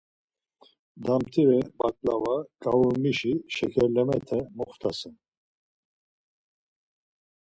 Damtire baǩlava, ǩavurmişi, şekerlemete moxtasen.